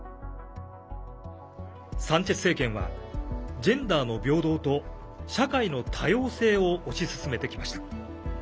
サンチェス政権はジェンダーの平等と社会の多様性を推し進めてきました。